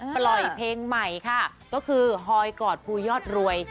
ปล่อยเพลงใหม่ค่ะก็คือฮอยกอดภูยอดรวย